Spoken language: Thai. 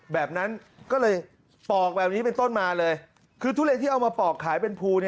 แบบนั้นก็เลยปอกแบบนี้เป็นต้นมาเลยคือทุเลที่เอามาปอกขายเป็นภู